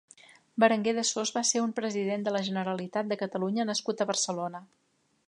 Berenguer de Sos va ser un president de la Generalitat de Catalunya nascut a Barcelona.